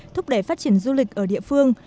thúc đẩy phát triển du lịch ở địa phương